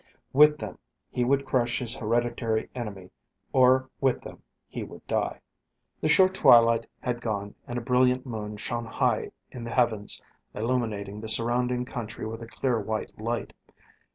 With them he would crush his hereditary enemy or with them he would die. The short twilight had gone and a brilliant moon shone high in the heavens, illuminating the surrounding country with a clear white light.